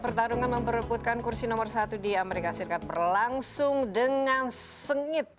pertarungan memperebutkan kursi nomor satu di amerika serikat berlangsung dengan sengit